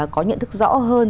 có nhận thức rõ hơn